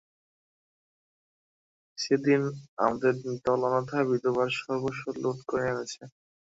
সেদিন আমাদের দল অনাথা বিধবার সর্বস্ব লুঠ করে এনেছে।